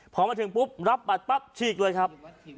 พอมาถึงปุ๊บรับบัตรปั๊บฉีกเลยครับ